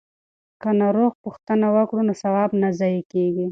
که ناروغ پوښتنه وکړو نو ثواب نه ضایع کیږي.